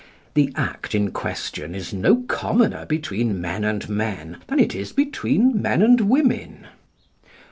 The act in question is no commoner between men and men than it is between men and women.